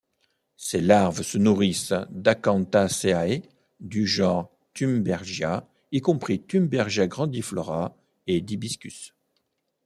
Ses larves se nourrissent d'Acanthaceae du genre Thunbergia, y compris Thunbergia grandiflora et d'Hibiscus.